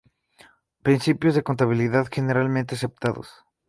Principios de Contabilidad Generalmente Aceptados